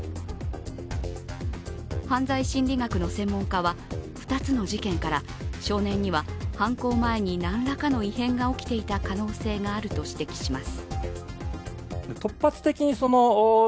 犯罪心理学の専門家は２つの事件から少年には犯行前に何らかの異変が起きていた可能性があると指摘します。